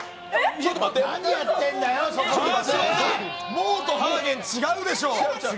ＭＯＷとハーゲン違うでしょう。